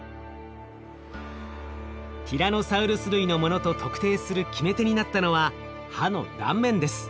ティラノサウルス類のものと特定する決め手になったのは歯の断面です。